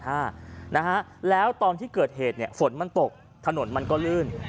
นะฮะแล้วตอนที่เกิดเหตุเนี่ยฝนมันตกถนนมันก็ลื่น